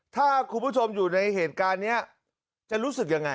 ถ้าคุณผู้ชมอยู่ในเหตุการณ์นี้จะรู้สึกยังไง